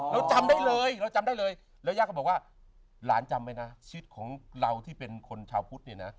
เราจำได้เลยเราจำได้เลยแล้วย่าก็บอกว่าหลานจำไว้นะชีวิตของเราที่เป็นคนชาวพุทธเนี่ยนะ